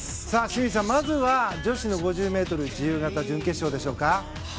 まずは、女子５０ｍ自由形準決勝でしょうか？